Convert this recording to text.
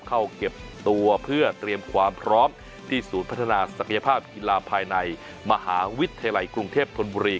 เข้าเก็บตัวเพื่อเตรียมความพร้อมที่ศูนย์พัฒนาศักยภาพกีฬาภายในมหาวิทยาลัยกรุงเทพธนบุรี